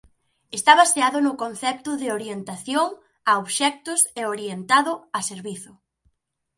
Está baseado no concepto de orientación a obxectos e orientado a servizo.